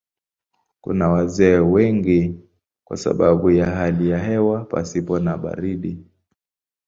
Kuna wazee wengi kwa sababu ya hali ya hewa pasipo na baridi.